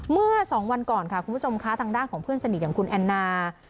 เมื่อสองวันก่อนค่ะคุณผู้ชมค่ะทางด้านของเพื่อนสนิทอย่างคุณแอนนา